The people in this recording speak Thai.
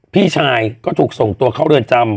พี่ชายก็ถูกส่งตัวเข้าเรือนจำ